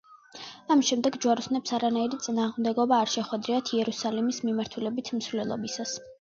ამის შემდეგ ჯვაროსნებს არავითარი წინააღმდეგობა არ შეხვედრიათ იერუსალიმის მიმართულებით მსვლელობისას.